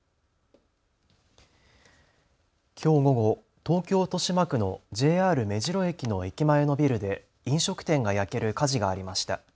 きょう午後、東京豊島区のＪＲ目白駅の駅前のビルで飲食店が焼ける火事がありました。